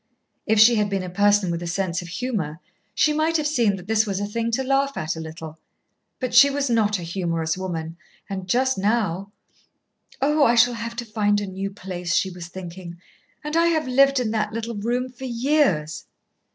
If she had been a person with a sense of humour, she might have seen that this was a thing to laugh at a little. But she was not a humorous woman, and just now "Oh, I shall have to find a new place," she was thinking, "and I have lived in that little room for years."